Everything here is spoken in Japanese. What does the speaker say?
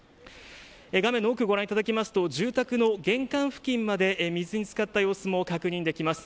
画面の奥をご覧いただきますと住宅の玄関付近まで水につかった様子も確認できます。